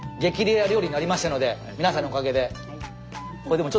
レア料理になりましたので皆さんのおかげで。